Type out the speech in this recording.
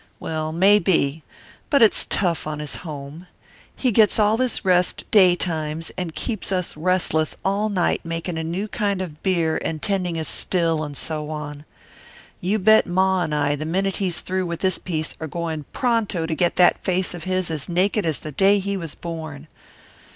Well, maybe. But it's tough on his home. He gets all his rest daytimes and keeps us restless all night making a new kind of beer and tending his still, and so on. You bet Ma and I, the minute he's through with this piece, are going pronto to get that face of his as naked as the day he was born.